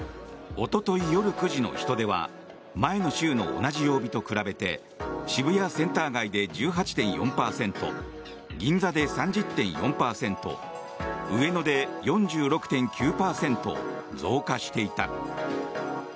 おととい夜９時の人出は前の週の同じ曜日と比べて渋谷センター街で１８．４％銀座で３０．４％上野で４６．９％増加していた。